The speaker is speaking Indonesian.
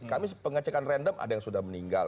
kami pengecekan random ada yang sudah meninggal